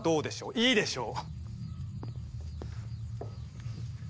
いいでしょう。